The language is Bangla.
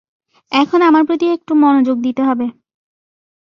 এখন আমার প্রতি একটু মনোযোগ দিতে হবে।